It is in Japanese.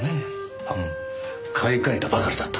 買い替えたばかりだった。